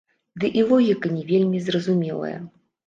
Ды і логіка не вельмі зразумелая.